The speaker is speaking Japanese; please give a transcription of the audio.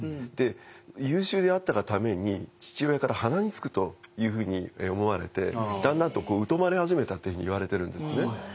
で優秀であったがために父親から鼻につくというふうに思われてだんだんと疎まれ始めたっていうふうにいわれてるんですね。